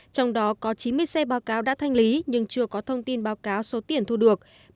trong đó có chín mươi xe báo cáo đã thanh lý nhưng chưa có thông tin báo cáo số tiền thu được